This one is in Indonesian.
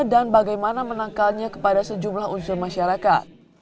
dan bagaimana menangkalnya kepada sejumlah unsur masyarakat